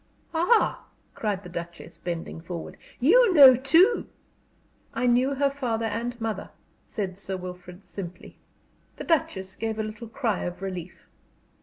"Ah!" cried the Duchess, bending forward. "You know, too?" "I knew her father and mother," said Sir Wilfrid, simply. The Duchess gave a little cry of relief.